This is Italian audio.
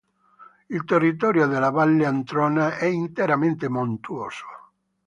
Il territorio della Valle Antrona è interamente montuoso.